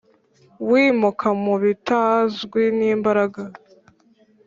wimuka mubitazwi n'imbaraga,